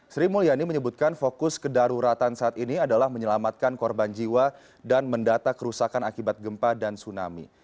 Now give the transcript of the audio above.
sri mulyani menyebutkan fokus kedaruratan saat ini adalah menyelamatkan korban jiwa dan mendata kerusakan akibat gempa dan tsunami